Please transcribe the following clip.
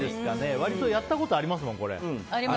割とやったことありますもん。